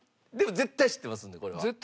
でも絶対知ってますんでこれは。